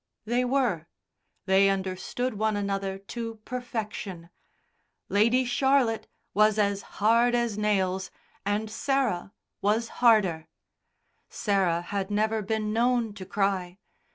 They were. They understood one another to perfection. Lady Charlotte was as hard as nails, and Sarah was harder. Sarah had never been known to cry.